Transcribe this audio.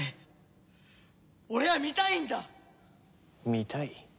見たい？